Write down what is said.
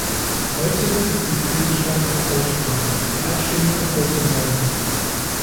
Heute ist dies Gegenstand einer Aussprache, die Abstimmung erfolgt morgen.